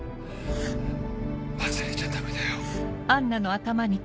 忘れちゃダメだよ。